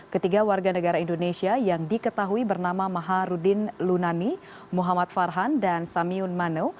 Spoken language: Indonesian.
ketiga warga negara indonesia yang diketahui bernama maharudin lunani muhammad farhan dan samiun mano